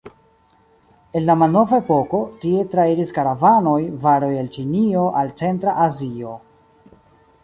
En la malnova epoko, tie trairis karavanoj, varoj el Ĉinio al Centra Azio.